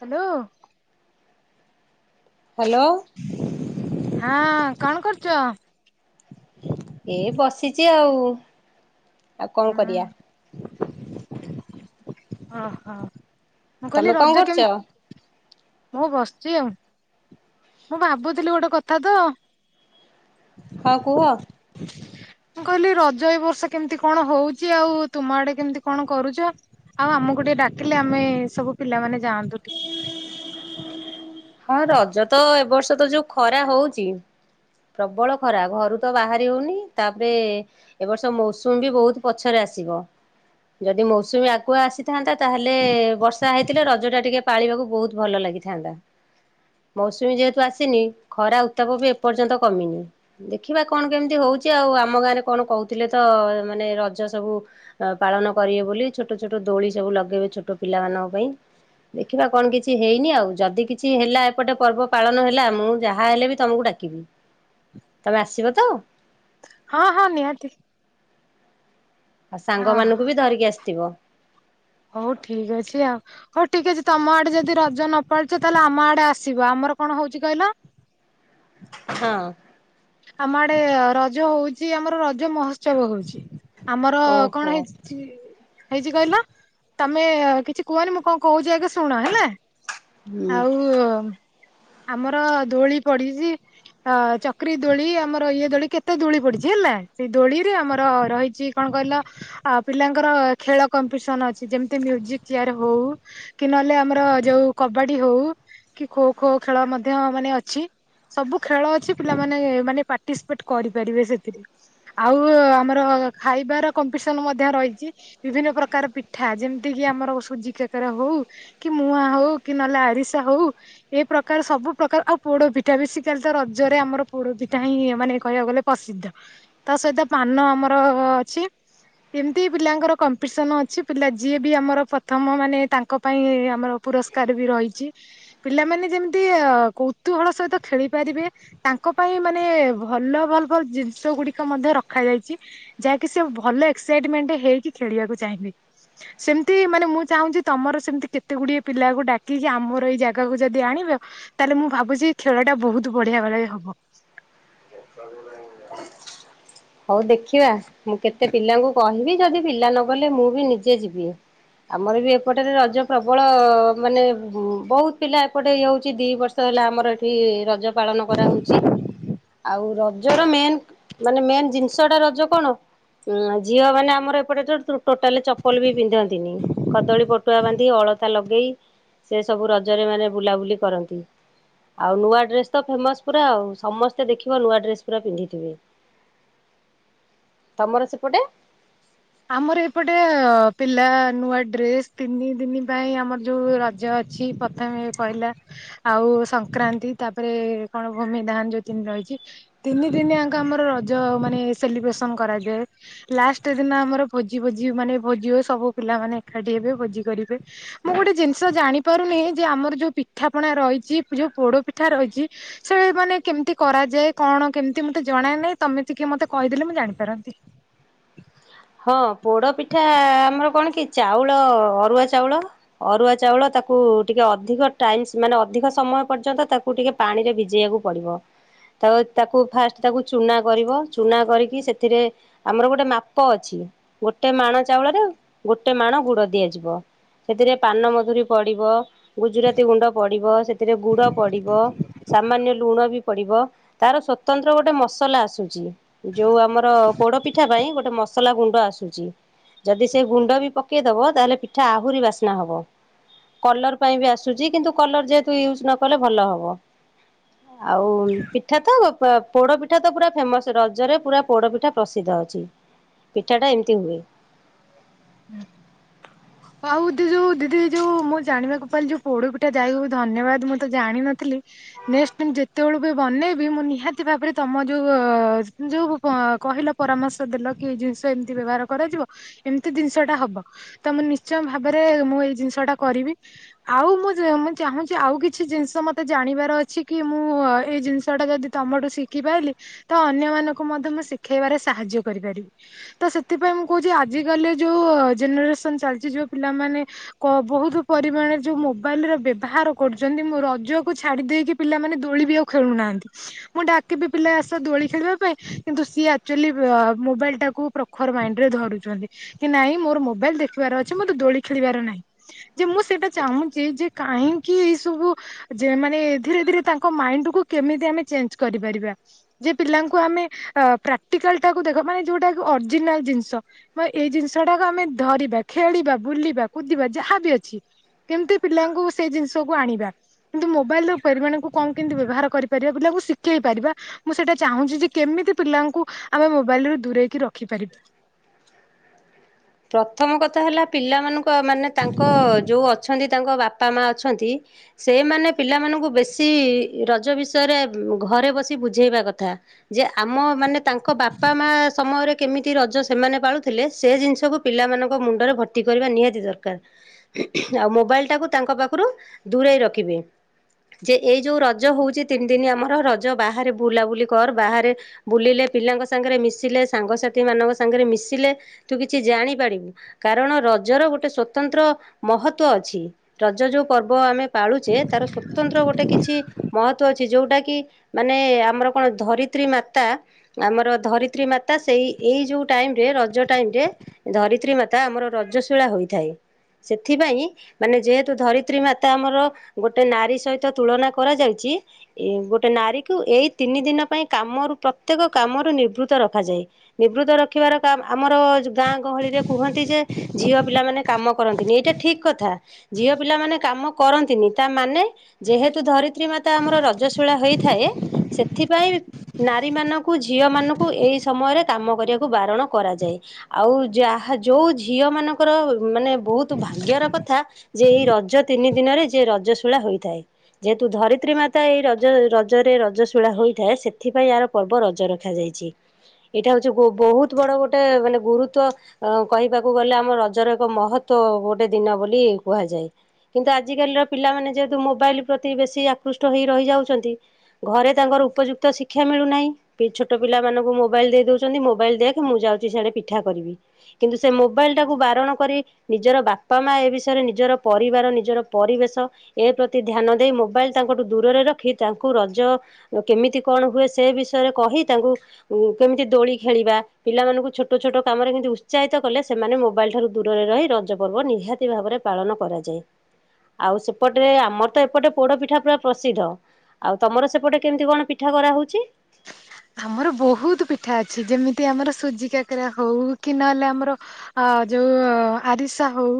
Hello hello ହଁ କଣ କରୁଚ? ଏ ବସିଚି ଆଉ ଆଉ କଣ ହଁ କରିଆ। ଅଁ ହଁ ମୁଁ କହିଲି ତମେ କଣ ରଜ କରୁଛ? କେମତ ମୁଁ ଭାବୁଥିଲି ଗୋଟେ କଥା ତ। ହ କୁହ ମୁଁ କହିଲି ରଜ ଏଇ ବର୍ଷ କେମିତି କଣ ହୋଉଚି ଆଉ ତୁମ ଆଡେ କେମିତି କଣ କରୁଚ? ଆଉ ଆମକୁ ଟିକେ ଡାକିଲେ ଆମେ ସବୁ ପିଲାମାନେ ଯାଆନ୍ତୁ ଟିକ ହଁ ରଜ ତ ଏ ବର୍ଷ ତ ଯୋଉ ଖରା ହୋଉଚି। ପ୍ରବଳ ଖରା ଘରୁ ତ ବାହାରି ହୋଉନି। ତାପରେ ଏ ବର୍ଷ ମୌସୁମୀ ବି ବୋହୁତ ପଛରେ ଆସିବ। ଯଦି ମୌସୁମୀ ଆଗୁଆ ଆସିଥାନ୍ତା ତାହେଲେ ବର୍ଷା ହେଇଥିଲେ ରଜ ଟା ଟିକେ ପାଳିବାକୁ ବୋହୁତ ଭଲ ଲାଗିଥାନ୍ତା। ମୌସୁମୀ ଯେହେତୁ ଆସିନି ଖରା ଉତ୍ତାପ ବି ଏପର୍ଯ୍ୟନ୍ତ କମିନି। ଦେଖିବା କଣ କେମିତି ହୋଉଚି ଆଉ ଆମ ଗାଁରେ କଣ କହୁଥିଲେ ତ ମାନେ ରଜ ସବୁ ପାଳନ କରିବେ ବୋଲି ଛୋଟ ଛୋଟ ଦୋଳି ସବୁ ଲଗେଇବେ ଛୋଟ ପିଲାମାନଙ୍କ ପାଇଁ। ଦେଖିବା କଣ କିଛି ହେଇନି ଆଉ ଯଦି କିଛି ଛି ହେଲା ଏପଟେ ପର୍ବ ପାଳନ ହେଲା ମୁଁ ଯାହା ହେଲେ ବି ତମକୁ ଡାକିବି। ତମେ ଆସିବ ତ? ହଁ ହଁ ନିହାତି। ଆ ଅ ସାଙ୍ଗ ମାନଙ୍କୁ ବି ଧରିକି ଆସିଥିବ। ହଉ ଠିକ ଅଛି ଆ ହୋଉ ଠିକ ଅଛି ତମ ଆଡେ ଯଦି ରଜ ନପାଳୁଛ ତାହେଲେ ଆମ ଆଡେ ଆସିବ। ଆମର କଣ ହୋଉଚି କଇଲ? ହଁ ଆମ ଆଡେ ରଜ ହୋଉଚି ଆମର ରଜ ମହୋତ୍ସବ ହୋଉଚି ଆମର କଣ ଓହୋ। ହେଉଚ ହେଇଛି କହିଲ ତମେ କିଛି କୁହନି ମୁଁ କଣ କହୁଛି ଆଗେ ଶୁଣ ହେଲା। ଆଉ ଆମର ଦୋଳି ପଡିଚି ଅ ଚ କ୍ରି ଦୋଳି ଆମର ଇଏ ଦୋଳି ଆମର କେତେ ଦୋଳି ପଡିଚି ହେଲା। ସେ ଦୋଳିରେ ଆମର ରହିଚି କଣ କହିଲ ଆ ପିଲାଙ୍କର ଖେଳ କମ୍ପିଟିସନ ଅଛି ଯେମିତି ମ୍ୟୁଜିକ ଚେୟାର ହୋଉ କି ନହେଲେ ଆମର ଯୋଉ କବାଡି ହୋଉ କି ଖୋ ଖୋ ଖେଳ ମଧ୍ୟ ମାନେ ଅଛି। ସବୁ ଖେଳ ଅଛି ପିଲାମାନେ ମାନେ ପାର୍ଟିସିପେଟ କରିପାରିବେ ସେଥିରେ। ଆଉ ଆମର ଖାଇବାର କମ୍ପିଟିସନ ମଧ୍ୟ ରହିଛି। ବିଭିନ୍ନ ପ୍ରକାର ପିଠା ଯେମିତି କିି ଆମର ସୁଜି କାକରା ହୋଉ। କି ମୁହାଁ ହୋଉ କି ନହେଲେ ଆରିସା ହୋଉ। ଏ ପ୍ରକାର ସବୁ ପ୍ରକାର ଆଉ ପୋଡ ପିଠା ବେସିକାଲି ତ ର ଜରେ ଆମର ପୋଡପିଠା ହିଁ ମାନେ କହିବାକୁ ଗଲେ ପସିଦ୍ଧ। ତା ସହିତ ପାନ ଆମର ଅଛି। ଏମିତି ପିଲାଙ୍କର କମ୍ପିଟିସନ ଅଛି। ପିଲା ଯିଏ ବି ଆମର ପ୍ରଥମ ମାନେ ତାଙ୍କ ପାଇଁ ଆମର ପୁରସ୍କାର ବି ରହିଚି ପିଲାମାନେ ଯେମିତି ଅ କୌତୁହଳ ସହିତ ଖେଳି ପାରିବେ ତାଙ୍କ ପାଇଁ ମାନେ ଭଲ ଭଲ ଭଲ ଜିନିଷ ଗୁଡିକ ମଧ୍ୟ ରଖାଯାଇଚି। ଯାହାକି ସେ ଭଲ ଏକ୍ସାଇଟମେଣ୍ଟ ହେଇକି ଖେଳିବାକୁ ଚାହିଁବେ। ସେମିତି ମାନେ ମୁଁ ଚାହୁଁଚି ତମର ସେମିତି କେତେ ଗୁଡିଏ ପିଲାକୁ ଡାକିକି ଆମର ଏଇ ଜାଗାକୁ ଯଦି ଆଣିବ ତାହେଲେ ମୁଁ ଭାବୁଚି ଖେଳ ଟା ବହୁତ ବଢିଆ ଭାବେ ହବ। [inaudible] ହୋଉ ଦେଖିବା ମୁଁ କେତେ ପିଲାଙ୍କୁ କହିବି ଯଦି ପିଲା ନ ଗଲେ ମୁଁ ବି ନିଜେ ଯିବି। ଆମର ବି ଏପଟେରେ ରଜ ପ୍ରବଳ ମାନେ ବହୁତ ପିଲା ଏପଟେ ଇଏ ହୋଉଚି ଦୁଇ ବର୍ଷ ହେଲା ଆମର ଏଠି ରଜ ପାଳନ କରାହୋଉଚି। ଆଉ ରଜର ମେନ୍ ମାନେ ମେନ୍ ଜିନିଷ ଟା ରଜ କଣ? ହୁଁ ଝିଅ ମାନେ ଆମର ଏପଟେ ଟୋଟାଲ ଚପଲ ବି ପିନ୍ଧନ୍ତିନି। କଦଳୀ ପଟୁଆ ବାନ୍ଧି, ଅଳତା ଲଗେଇ ସେ ସବୁ ରଜରେ ମାନେ ବୁଲାବୁଲି କରନ୍ତି। ଆଉ ନୂଆ ଡ୍ରେସ୍‌ ତ ଫେମସ୍ ପୁରା ଆଉ ସମସ୍ତେ ଦେଖିବ ନୂଆ ଡ୍ରେସ୍‌ ପୁରା ପିନ୍ଧିଥିବେ। ତମର ସେପଟେ? ଆମର ଏପଟେ ପିଲା ନୂଆ ଡ୍ରେସ୍‌ ତିନି ଦିନି ପାଇଁ ଆମର ଯୋଉ ରଜ ଅଛି। ପ୍ରଥମେ କହିଲା ଆଉ ସଂକ୍ରାନ୍ତି ତାପରେ କଣ ଭୂମି ଦାହାନ ଯୋଉ ତିନି ରହିଚି। ତିନି ଦିନି ଆଙ୍କ ଆମର ରଜ ମାନେ ସେଲିବ୍ରେସନ କରାଯାଏ। ଲାଷ୍ଟ ହେଲେ ଆମର ଭୋଜି ଭୋଜି ମାନେ ଭୋଜି ସବୁ ପିଲାମାନେ ଏକାଠି ହେବେ ଭୋଜି କରିବେ। ମୁଁ ଗୋଟେ ଜିନିଷ ଜାଣି ପାରୁନି ଯେ ଆମର ଯୋଉ ପିଠାପଣା ରହିଚି ଯୋଉ ପୋଡ ପିଠା ରହିଚି ସେ ମାନେ କେମିତି କରାଯାଏ କଣ କେମିତି ମତେ ଜଣା ନାହିଁ ତମେ ଟିକେ ମତେ କହିଦେଲେ ମୁଁ ଜାଣିପାରନ୍ତି। ହଁ ପୋଡ଼ ପିଠା ଆମର କଣ କି ଚାଉଳ ଅରୁଆ ଚାଉଳ ଅରୁଆ ଚାଉଳ ତାକୁ ଟିକେ ଅଧିକ ଟାଇମ୍ ମାନେ ଅଧିକ ସମୟ ପର୍ଯ୍ୟନ୍ତ ତା କୁ ଟିକେ ପାଣି ରେ ଭିଜେଇବାକୁ ପଡିବ। ତ ତାକୁ ଫାଷ୍ଟ ତାକୁ ଚୂନା କରିବ ଚୂନା କରିକି ସେଥିରେ ଆମର ଗୋଟେ ମା ପ ଅଛି ଗୋଟେ ମାଣ ଚାଉଳରେ ଗୋଟେ ମାଣ ଗୁଡ ଦିଆଯିବ। ସେଥିରେ ପାନ ମଧୁରୀ ପଡିବ, ଗୁଜୁରାତି ଗୁଣ୍ଡ ପଡିବ, ସେଥିରେ ଗୁଡ ପଡିବ ସାମାନ୍ୟ ଲୁଣ ବି ପଡିବ ତାର ସ୍ଵତନ୍ତ୍ର ଗୋଟେ ମସଲା ଆସୁଚି। ଯୋଉ ଆମର ପୋଡ ପିଠା ପାଇଁ ଗୋଟେ ମ ସଲା ଗୁଣ୍ଡ ଆସୁଚି ଯଦି ସେ ଗୁଣ୍ଡ ବି ପକେଇଦବ ତାହେଲେ ପିଠା ଆହୁରି ବାସ୍ନା ହବ। କଲର ପାଇଁ ବି ଆସୁଚି କିନ୍ତୁ କଲର ଯେହେତୁ ୟୁଜ ନ କଲେ ଭଲ ହବ। ଆଉ ପିଠା ତ ପୋଡ଼ ପିଠା ତ ପୁରା ଫେମସ୍ ରଜରେ ପୁରା ପୋଡ଼ ପିଠା ପ୍ରସିଦ୍ଧ ଅଛି। ପିଠା ଟା ଏମିତି ହୁଏ। ହୁଁ। ଆଉ ଉଦି ଯୋଉ ଦିଦି ଯୋଉ ମୁଁ ଜାଣିବାକୁ ପାଇିଲି ଯୋଉ ପୋଡ ପିଠା ଯାଇ ଧନ୍ୟବାଦ ମୁଁ ତ ଜାଣିନଥିଲି। ନେଷ୍ଟେ ଯେତେବେଳୁ ବି ବନେଇବି ମୁଁ ନିହାତି ଭାବରେ ତମ ଯୋଉ ଯୋଉ କହିଲ ପରାମର୍ଶ ଦେଲ କି ଏଇ ଜିନିଷ ଏମିତି ବ୍ୟବହାର କରାଯିବ। ଏମିତି ଜିନିଷ ଟା ହବ ତା ମାନେ ନିଶ୍ଚୟ ଭାବରେ ମୁଁ ଏଇ ଜିନିଷ ଟା କରିବି। ଆଉ ମୁଁ ମୁଁ ଚାହୁଁଚି ଆଉ କିଛି ଜିନିଷ ମତେ ଜାଣିବାର ଅଛି କି ମୁଁ ଏଇ ଜିନିଷ ଟା ଯଦି ତମଠୁ ଶିଖିପାଇଲିି ତ ଅନ୍ୟମାନାନଙ୍କୁ ମଧ୍ୟ ମୁଁ ଶିଖେଇବାରେ ସାହାଯ୍ୟ କରିପାରିବି। ତ ସେଥିପାଇଁ ମୁଁ କହୁଚି ଆଜିିକାଲି ଯୋଉ ଜେନେରେସନ୍ ଚାଲିଚି ଯୋଉ ପିଲାମାନେ କହୁ ବହୁତ ପରିମାଣରେ ଯୋଉ ମୋବାଇଲ ର ବ୍ୟବହାର କରୁଛନ୍ତି ମୁଁ ରଜକୁ ଛାଡି ଦେଇକି ପିଲାମାନେ ଦୋଳି ବି ଆଉ ଖେଳୁନାହାନ୍ତି। ମୁଁ ଡାକିବି ପିଲାଏ ଆସ ଦୋଳି ଖେଳିବା ପାଇଁ କିନ୍ତୁ ସିଏ ଆଚୁଏଲି ମୋବାଇଲ୍ ଟାକୁ ପ୍ର ଖର ମାଇଣ୍ଡ ରେ ଧରୁଛନ୍ତି କି ନାଇଁ ମୋର ମୋବାଇଲ ଦେଖିବାର ଅଛି ମୋତେ ଦୋଳି ଖେଳିବାର ନାହିଁ। ଯେ ମୁଁ ସେଇଟା ଚାହୁଁଛି ଯେ କାହିଁକି ଏଇ ସବୁ ଯେ ମାନେ ଧୀରେ ଧୀରେ ତାଙ୍କ ମାଇଣ୍ଡ କୁ କେମିତି ଆମେ ଚେଞ୍ଜ କରିପାରିବା। ଯେ ପିଲାଙ୍କୁ ଆମେ ପ୍ରାକ୍ଟିକାଲ ଟାକୁ ଦେଖ ମାନେ ଯୋଉଟା କି ଅରିଜିନାଲ୍ ଜିନିଷ। ମ ଏଇ ଜିନିଷ ଟାକୁ ଆମେ ଧରିବା ଖେଳିବା ବୁଲିବା କୁଦିବା ଯାହାବି ଅଛି। କେମିତି ପିଲାଙ୍କୁ ସେଇ ଜିନିଷକୁ ଆଣିବା। କିନ୍ତୁ ମୋବାଇଲ ର ପରିମାଣଙ୍କୁ କମ୍ କେମିତି ବ୍ୟବହାର କରିପାରିବା ପିଲାଙ୍କୁ ଶିଖେଇ ପାରିବା ମୁଁ ସେଇଟା ଚାହୁଁଛି ଯେ କେମିତି ପିଲାଙ୍କୁ ଆମେ ମୋବାଇଲ ରୁ ଦୂରେଇକି ରଖିପାରିବୁ। ପ୍ରଥମ କଥା ହେଲା ପିଲାମାନଙ୍କ ମାନେ ତାଙ୍କ ଯେଉଁ ଅଛନ୍ତି ତାଙ୍କ ବାପା ମା ଅଛନ୍ତି ସେଇମାନେ ପିଲାମାନଙ୍କୁ ବେଶୀ ରଜ ବିଷୟରେ ଘରେ ବସି ବୁଝେଇବା କଥା। ଯେ ଆମ ମାନେ ତାଙ୍କ ବାପା ମା ସମୟରେ କେମିତି ରଜ ସେମାନେ ପାଳୁଥିଲେ ସେ ଜିନିଷକୁ ପିଲାମାନଙ୍କ ମୁଣ୍ଡରେ ଭର୍ତ୍ତି କରିବା ନିହାତି ଦରକାର। ଆଉ ମୋବାଇଲ ଟାକୁ ତାଙ୍କ ପାଖରୁ ଦୂରେଇ ରଖିବେ। ଯେ ଏଇ ଯଉ ରଜ ହଉଛି ତିନି ଦିନ ଆମର ରଜ ବାହାରେ ବୁଲାବୁଲି କର ବାହାରେ ବୁଲିଲେ ପିଲାଙ୍କ ସାଙ୍ଗରେ ମିଶିଲେ ସାଙ୍ଗସାଥି ମାନଙ୍କ ସାଙ୍ଗରେ ମିଶିଲେ ତୁ କିଛି ଜାଣି କାରଣ ରଜର ଗୋଟେ ସ୍ଵତନ୍ତ୍ର ମହତ୍ ଅଛି। ରଜ ଯୋଉ ପର୍ବ ଆମେ ପାଳୁଛେ ତାର ସ୍ଵତନ୍ତ୍ର ଗୋଟେ କିଛି ମହତ୍ଵ ଅଛି ଯୋଉଟା କି ମାନେ ଆମର କଣ ଧରିତ୍ରୀ ମାତା ଆମର ଧରିତ୍ରୀ ମାତା ସେଇ ଏଇ ଯୋଉ ଟାଇମ୍ ରେ ରଜ ଟାଇମ୍ ରେ ଧରିତ୍ରୀ ମାତା ଆମର ରଜଶୀଳା ହୋଇଥାଏ, ସେଥିପାଇଁ ମାନେ ଯେହେତୁ ଧରିତ୍ରୀ ମାତା ଆମର ଗୋଟେ ନାରୀ ସହିତ ତୁଳନା କରାଯାଉଚି ଏ ଗୋଟେ ନାରୀକୁ ଏଇ ତିନି ଦିନ ପାଇଁ କାମରୁ ପ୍ରତ୍ୟେକ କାମରୁ ନିବୃତ୍ତ ରଖାଯାଏ। ନିବୃତ୍ତ ରଖିବାର କାମ ଆମର ଗାଁ ଗହଳିରେ କୁହନ୍ତି ଯେ ଝିଅ ପିଲା ମମାନେେ କାମ କରନ୍ତିନି ଏଇଟା ଠିକ କଥା। ଝିଅ ପିଲାମାନୋନେ କାମ କରନ୍ତିନି, ତାମାନେ ଯେହେତୁ ଧରିତ୍ରୀ ମାତା ଆମର ରଜଶୀଳା ହେଇଥାଏ, ସେଥିପାଇଁ ନାରୀ ମାନଙ୍କୁ ଝିଅ ମାନଙ୍କୁ ଏଇ ସମୟରେ କାମ କରିବାକୁ ବାରଣ କରାଯାଏ ଆଉ ଯାହା ଯୋଗ ଝିଅମାନଙ୍କର ମାନେ ବହୁତ ଭାଗ୍ୟର କଥା ଯେ ଏଇ ରଜ ତିନି ଦିନରେ ଯେ ରଜ ଶୂଳା ହୋଇଥାଏ। ଯେହେତୁ ଧରିତ୍ରୀ ମାତା ଏଇ ରଜ ରଜରେ ରଜଶିଳା ହୋଇଥାଏ ସେଥିପାଇଁ ପର୍ବ ରଜ ରଖାଯାଇଛି ଏଇଟା ହଉଛି ବହୁତ ବଡ ଗୋଟେ ମାନେ ଗୁରୁତ୍ଵ ଅ କହିବାକୁ ଗଲେ ଆମ ରଜର ଏକ ମହତ ଗୋଟେ ଦିନ ବୋଲି କୁହାଯାଏ। କିନ୍ତୁ ଆଜିକାଲିର ପିଲାମାନେ ଯେହେତୁ ମୋବାଇଲ ପ୍ରତି ବେଶୀ ଆକୃଷ୍ଟ ହେଇ ରହିଯାଉଚନ୍ତି ଘରେ ତାଙ୍କର ଉପଯୁକ୍ତ ଶିକ୍ଷା ମିଳୁନାହିଁ। ଛୋଟ ପିଲାମାନାନଙ୍କୁ ମୋବାଇଲ ଦେଇ ଦଉଛନ୍ତି ମୋବାଇଲ ଦେଖେ ମୁଁ ଯାଉଛି ସେଆଡେ ପିଠା କରିବି। କିନ୍ତୁ ସେ ମୋବାଇଲ ଟାକୁ ବାରଣ କରି ନିଜର ବାପା ମା ଏ ବିଷୟରେ ନିଜର ପରିବାର ନିଜର ପରିବେଶ ଏ ପ୍ରତି ଧ୍ୟାନ ଦେଇ ମୋବାଇଲ ତାଙ୍କଠୁ ଦୂରରେ ରଖି ତାଙ୍କୁ ରଜ କେମିତି କଣ ହୁଏ ସେ ବିଷୟରେ କହି ତାଙ୍କୁ କେମିତି ଦୋଳି ଖେଳିବା ପିଲାମାନଙ୍କୁ ଛୋଟ-ଛୋଟ କାମରେ କେମିତି ଉ ଉତ୍ସାହିତ କଲେ ସେମାନେ ମୋବାଇଲ ଠାରୁ ଦୂରରେ ରହି ରଜ ପର୍ବ ନିହାତି ଭାବରେ ପାଳନ କରାଯାଏ। ଆଉ ସେପଟେ ଆମର ତ ଏପଟେ ପୋଡପିଠା ପ୍ରାୟ ପ୍ରସିଦ୍ଧ। ଆଉ ତମର ସେପଟେ କେମିତି କଣ ପିଠା କରା ହଉଛି? ଆମର ବହୁତ ପିଠା ଅଛି ଯେମିତି ଆମର ସୁଜି କାକରା ହଉ କି ନହେଲେ ଆମର ଆ ଯୋଉ ଆରିସା ହଉ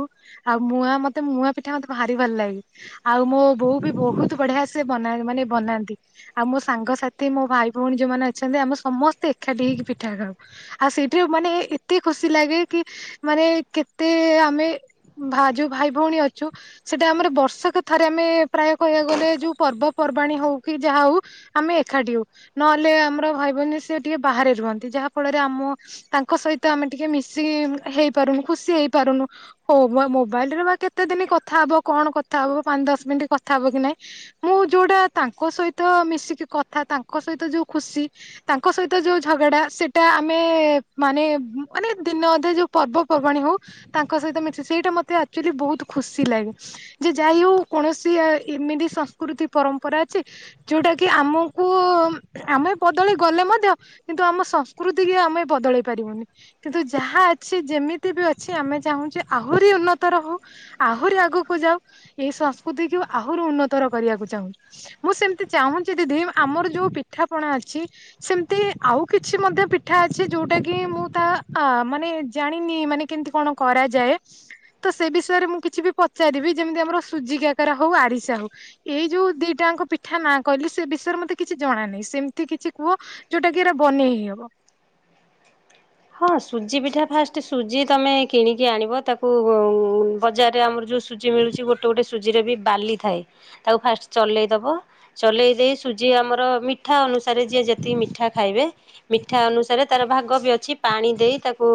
ଆଉ ମୁହାଁ ମତେ ମୁହାଁ ପିଠା ମତେ ଭାରି ଭଲ ଲାଗେ। ଆଉ ମୋ ବୋଉ ବି ବହୁତ୍ ବଢିଆ ସେ ବ ମାନେ ବନାନ୍ତି। ଆଉ ମୋ ସାଙ୍ଗସାଥି ମୋ ଭାଇ ଭଉଣୀ ଯୋଉମାନେ ଅଛନ୍ତି ଆମେ ସମସ୍ତେ ଏକାଠି ହେଇକି ପିଠା ଖାଉ। ଆଉ ସେଇଠିରେ ମାନେ ଏତେ ଖୁସି ଲାଗେ କି ମାନେ କେତେ ଆମେ? ଭା ଯୋଉଁ ଭାଇ ଭଉଣୀ ଅଛୁ। ସେଟା ଆମର ବର୍ଷକ ଥରେ ଆମେ ପ୍ରାୟ କହିବାକୁ ଗଲେ ଯୋଉ ପର୍ବପର୍ବାଣୀ ହଉ କି ଯାହା ହଉ। ଆମେ ଏକାଠି ହଉ ନହେଲେ ଆମର ଭାଇଭଉଣୀ ସି ଟିକେ ବାହାରେ ରୁହନ୍ତି ଯାହା ଫଳରେ ଆମ ତାଙ୍କ ସହିତ ଆମେ ଟିକେ ମିଶି ହେଇପାରୁନୁ ଖୁସି ହେଇପାରୁନୁ। ହଉ ମୋବାଇଲି ରେ ବା କେତେ ଦିନ କଥା ହବ କଣ କଥା ହବ ପାଞ୍ଚ ଦଶ ମିନିଟ କଥା ହବ କି ନାଇଁ? ମୁଁ ଯୋଉଟା ତାଙ୍କ ସହିତ ମିଶିକି କଥା ତାଙ୍କ ସହିତ ଯୋଉ ଖୁସି। ତାଙ୍କ ସହିତ ଯୋଉ ଝଗଡା ସେଟା ଆମେ ମାନେ ମାନେ ଦିନ ଅଧେ ଯୋଉ ପର୍ବ ପର୍ବାଣ ହଉ। ତାଙ୍କ ସହିତ ମିଶି ସେଇଟା ମତେ ଆକ୍ଚୁଲି ବହୁତ ଖୁସି ଲାଗେ। ଯେ ଯାଇ ହଉ କୌଣସି ଏମିତି ସଂସ୍କୃତି ପରମ୍ପରା ଅଛି। ଯୋଉଟା କି ଆମକୁ ଆମେ ବଦଳେଇ ଗଲେ ମଧ୍ୟ କିନ୍ତୁ ଆମ ସଂସ୍କୃତି କି ଆମେ ବଦଳେଇ ପାରିବୁନି। କିନ୍ତୁ ଯାହା ଅଛି ଯେମିତି ବି ଅଛି ଆମେ ଚାହୁଁଛୁ ଆହୁରି ଉନ୍ନତ ରହୁ ଆହୁରି ଆଗକୁ ଯାଉ ଏଇ ସଂସ୍କୃତିକୁ ଆହୁରି ଉନ୍ନତର କରିବାକୁ ଚାହୁଁ। ମୁଁ ସେମିତି ଚାହୁଁଛି ଦିଦି ଆମର ଯୋଉ ପିଠାପଣା ଅଛି। ସେମିତି ଆଉ କିଛି ମଧ୍ୟ ପିଠା ଅଛି ଯୋଉଟା କି ମୁଁ ତା ଅ ମାନେ ଜାଣିନି ମାନେ କେମିତି କଣ କରାଯାଏ? ତ ସେ ବିଷୟରେ ମୁଁ କିଛି ବି ପଚାରିବି ଯେମିତି ଆମର ସୁଜି କାକେରା ହଉ ଆରିସା ହଉ। ଏଇ ଯୋଉ ଦିଟାଙ୍କ ପିଠା ନାଁ କହିଲି ସେ ବିଷୟରେ ମତେ କିଛି ଜଣାାନାହିଁ। ସେମିତି କିଛି କୁହ ଯୋଉଟା କି ଏରା ବନେଇ ହେଇ ହବ। ହଁ ସୁଜି ପିଠା ଫାଷ୍ଟ ସୁଜି ତମେ କିଣିକି ଆଣିବ ତାକୁ ବଜାରରେ ଆମର ଯେଉଁ? ସୁଜି ମିଳୁଛି ଗୋଟେ ଗୋଟେ ସୁଜିରେ ବି ବାଲି ଥାଏ। ତାକୁ ଫାଷ୍ଟ ଚଲେଇଦବ ଚଲେଇ ଦେଇ ସୁଜି ଆମର ମି ମିଠା ଅନୁସାରେ ଯିଏ ଯେତିକି ମିଠା ଖାଇବେ ମିଠା ଅନୁସାରେ ତାର ଭାଗ ବି ଅଛି। ପାଣି ଦେଇ ତାକୁ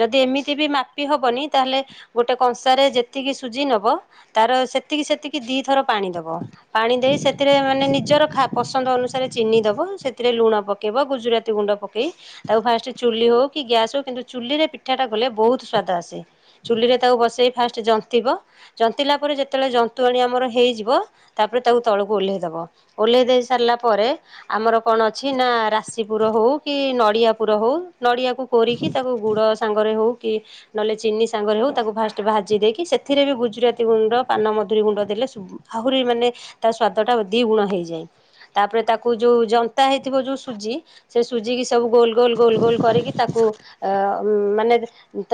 ଯଦି ଏମିତି ବି ମାପି ହବନି ତାହେଲେ ଗୋଟେ କଂସାରେ ଯେତିକି ସୁଜି ନବ ତାର ସେତିକି ସେତିକି ଦିଥର ପାଣି ଦବ। ପାଣି ଦେଇ ସେଥିରେ ମାନେ ନିଜର ଖା ପସନ୍ଦ ଅନୁସାରେ ଚିନି ଦବ ସେଥିରେ ଲୁଣ ପ ପକେଇବ ଗୁଜୁରାତି ଗୁଣ୍ଡ ପକେଇ ତାକୁ ଫାଷ୍ଟ ଚୁଲି ହଉ କି ଗ୍ୟାସ୍ ହଉ କିନ୍ତୁ ଚୁଲିରେ ପିଠାଟା କଲେ ବହୁତ ସ୍ୱାଦ ଆସେ। ଚୁଲିରେ ତାକୁ ବସେଇ ଫାଷ୍ଟ ଜନ୍ତିବ ଜନ୍ତିଲା ପରେ ଯେତେବେଳେ ଜନ୍ତୁ ଆଣି ଆମର ହେଇଯିବ। ତାପରେ ତାକୁ ତଳକୁ ଓହ୍ଲେଇ ଦବ ଓହ୍ଲେଇ ଦେଇ ସାରିଲା ପରେ ଆମର କଣ ଅଛି ନା ରାଶିପୁର ହଉ କି ନଡିଆ ପୁର ହଉ। ନଡ଼ିଆକୁ କୋରିକି ତାକୁ ଗୁଡ଼ ସାଙ୍ଗରେ ହେଉ କି? ନହେଲେ ଚିନି ସାଙ୍ଗରେ ହଉ ତାକୁ ଫାଷ୍ଟ ଭାଜି ଦେଇକି ସେଥିରେ ବି ଗୁଜୁରାତି ଗୁଣ୍ଡ ପାନ ମଧୁରୀ ଗୁଣ୍ଡ ଦେଲେ ଆହୁରି ମାନେ ତା ସ୍ଵାଦ ଟା ଦି ଗୁଣ ହେଇଯାଏ। ତାପରେ ତାକୁ ଯୋଉ ଜନ୍ତା ହେଇଥିବ ଯୋଉ ସୁଜି ସେ ସୁଜି କି ସବୁ ଗୋଲ ଗୋଲ ଗୋଲ ଗୋଲ କରିକି ତାକୁ ଅ ମାନେ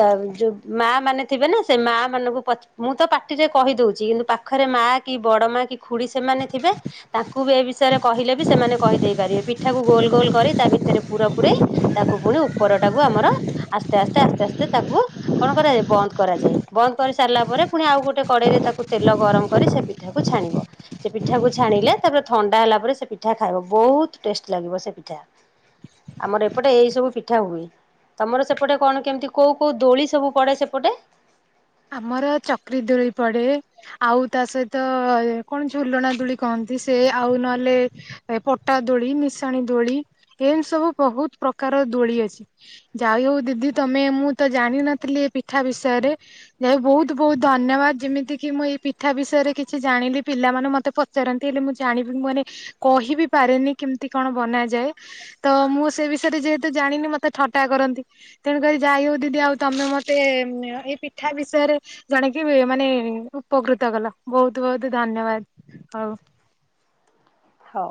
ତ ଯୋଉ ମା ମାନେ ଥିବ ନା ସେ ମା ମାନଙ୍କୁ ମୁଁ ତ ପାଟିରେ କହି ଦଉଛି କିନ୍ତୁ ପାଖରେ ମାଆ କି ବଡ଼ ମା କି ଖୁଡ଼ି ସେମାନେ ଥିବେ? ତାଙ୍କୁ ବି ଏ ବିଷୟରେ କହିଲେ ବି ସେମାନେ କହିଦେଇ ପାରିବେ ପିଠାକୁ ଗୋଲ ଗୋଲ କରି ତା ଭିତରେ ପୁର ପୁରେଇ [unintelligible] କୁ ପୁଣି ଉପରଟାକୁ ଆମର ଆସ୍ତେ ଆସ୍ତେ ଆସ୍ତେ ଆସ୍ତେ ତାକୁ କଣ କରାଯାଏ ବନ୍ଦ କରାଯାଏ ବନ୍ଦ କରି ସାରିଲା ପରେ ପୁଣି ଆଉ ଗୋଟେ କଡେଇରେ ତାକୁ ତେଲ ଗରମ କରି ସେ ପି ପିଠାକୁ ଛାଣିବ। ସେ ପିଠାକୁ ଛାଣିଲେ ତାପରେ ଥଣ୍ଡା ହେଲା ପରେ ସେ ପିଠା ଖାଇବ ବହୁତ ଟେଷ୍ଟ ଲାଗିବ ସେ ପିଠା। ଆମର ଏପଟେ ଏଇ ସବୁ ପିଠା ହୁଏ ତମର ସେପଟେ କଣ କେମିତି କୋଉ କୋଉ ଦୋଳି ସବୁ ପଡେ ସେପଟେ? ଆମର ଚକ୍ରୀ ଦୋଳି ପଡେ। ଆଉ ତା ସହିତ କଣ ଝୁଲଣା ଦୋଳି କହନ୍ତି ସେ ଆଉ ନହେଲେ ଏ, ପଟା, ଦୋଳି, ମିଶାଣି, ଦୋଳି, ଏମିତି ସବୁ ବହୁତ ପ୍ରକାର ଦୋଳି ଅଛି। ଯାଉ ହଉ ଦିଦି ତମେ ମୁଁ ତ ଜାଣିନଥିଲି ଏ ପିଠା ବିଷୟରେ? ଯାଇ ବହୁତ ବହୁତ ଧନ୍ୟବାଦ ଯେମିତି କି ମୁଁ ଏଇ ପିଠା ବିଷୟରେ କିଛି ଜାଣିଲି ପିଲାମାନେ ମତେ ପ ପଚାରନ୍ତି ହେଲେ ମୁଁ ଜାଣିବି ମୁଁ ମାନେ କହିବି ପାରେନି କେମିତି କଣ ବନାଯାଏ? ତ ମୁଁ ସେ ବିଷୟରେ ଯେହେତୁ ଜାଣିନି ମତେ ଥଟା କରନ୍ତି। ତେଣୁକରି ଯାଇ ହଉ ଦିଦି ଆଉ ତମେ ମତେ ଏ ପି ପିଠା ବିଷୟରେ ଜଣେଇକି ମାନେ ଉପକୃତ କଲ ବହୁତ ବହୁତ ଧନ୍ୟବାଦ। ହଉ। ହଉ।